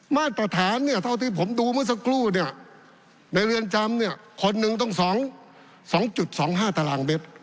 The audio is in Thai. มาตรฐานเท่าที่ผมดูเมื่อสักครู่ในเรือนจำคนหนึ่งต้อง๒๒๕ตารางเบ็ด